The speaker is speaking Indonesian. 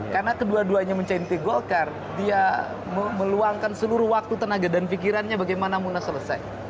karena kedua duanya mencintai golkar dia meluangkan seluruh waktu tenaga dan pikirannya bagaimana mau selesai